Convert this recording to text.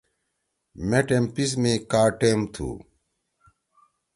مے ٹیم پیِس می کا ٹیم تُھو؟